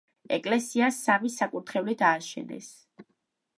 ეკლესია სამი საკურთხევლით ააშენეს.